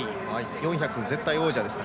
４００ｍの絶対王者です。